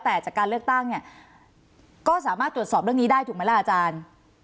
แต่จากการเลือกตั้งเนี่ยก็สามารถตรวจสอบเรื่องนี้ได้ถูกไหมล่ะอาจารย์